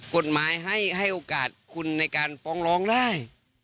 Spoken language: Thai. กฎหมายให้โอกาสคุณในการฟ้องร้องได้